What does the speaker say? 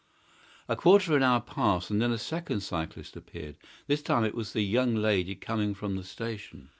A quarter of an hour passed and then a second cyclist appeared. This time it was the young lady coming from the station.